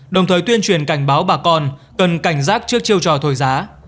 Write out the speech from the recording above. đồng thời tuyên truyền cảnh báo bà con cần cảnh giác trước chiêu trò thổi giá